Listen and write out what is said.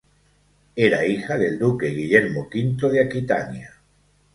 Era hija del duque Guillermo V de Aquitania.